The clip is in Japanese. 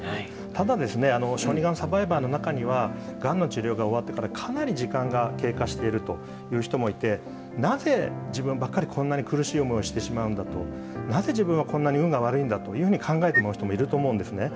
ただ、小児がんサバイバーの中には、がんの治療が終わってからかなり時間が経過しているという人もいて、なぜ、自分ばっかりこんなに苦しい思いしてしまうんだと、なぜ自分はこんなに運が悪いんだというふうに考えてしまう人もいると思うんですね。